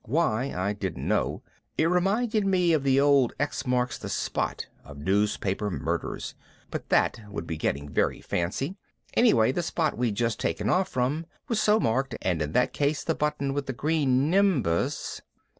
Why I don't know. It reminded me of the old "X Marks the Spot" of newspaper murders, but that would be getting very fancy. Anyway the spot we'd just taken off from was so marked and in that case the button with the green nimbus